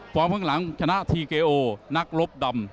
ฟิ้นแลนส์ทราสตร์ทีเกโอนักรบดำ